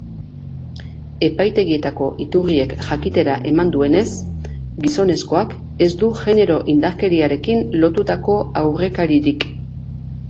Epaitegietako iturriek jakitera eman duenez, gizonezkoak ez du genero indarkeriarekin lotutako aurrekaririk.